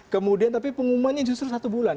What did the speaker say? kemudian tapi pengumumannya justru satu bulan